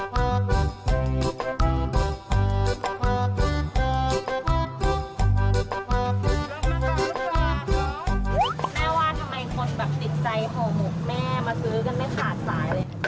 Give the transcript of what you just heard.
แม่ว่าทำไมคนแบบติดใจห่อหมกแม่มาซื้อกันไม่ขาดสายเลย